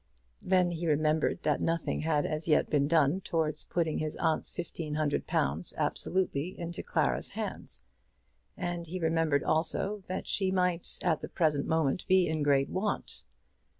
Then he remembered that nothing had as yet been done towards putting his aunt's fifteen hundred pounds absolutely into Clara's hands; and he remembered also that she might at the present moment be in great want.